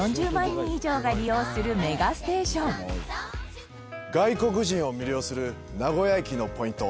人以上が利用するメガステーション外国人を魅了する名古屋駅のポイント。